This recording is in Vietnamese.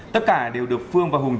tất cả đều được phương và hùng